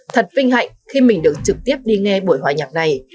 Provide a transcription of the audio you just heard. thật vinh hạnh khi mình được trực tiếp đi nghe buổi hòa nhạc này